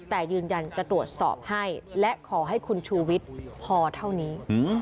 แต่ยืนยันจะตรวจสอบให้และขอให้คุณชูวิทย์พอเท่านี้